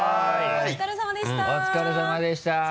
お疲れさまでした。